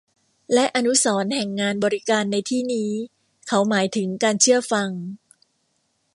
และอนุสรณ์แห่งงานบริการในที่นี้เขาหมายถึงการเชื่อฟัง